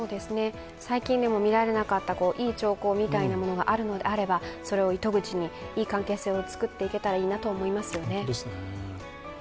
最近でも見られなかったいい兆候みたいなものがあるのであればそれを糸口に、いい関係性を作って行けたらいいなと思いますよね。